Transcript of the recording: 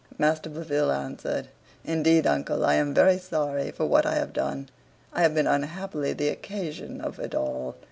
Master Blifil answered, "Indeed, uncle, I am very sorry for what I have done; I have been unhappily the occasion of it all.